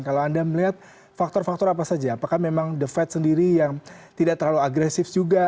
kalau anda melihat faktor faktor apa saja apakah memang the fed sendiri yang tidak terlalu agresif juga